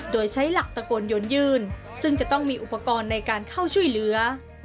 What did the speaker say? โดยใช้หลักตะโกนยนยื่นซึ่งจะต้องมีอุปกรณ์ในการเข้าช่วยเหลือ